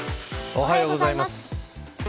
おはようございます。